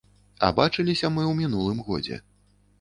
А бачыліся мы ў мінулым годзе.